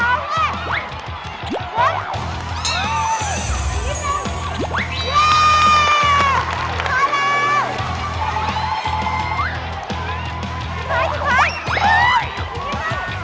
เดี๋ยวลงไปได้สองสอง